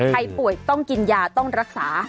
ใครป่วยต้องกินยาต้องรักษา